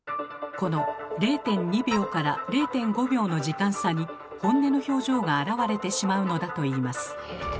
この０．２秒０．５秒の時間差に本音の表情が表れてしまうのだといいます。